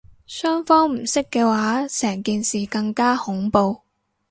雙方唔識嘅話成件事更加恐怖